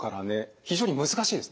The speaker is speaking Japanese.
非常に難しいですね。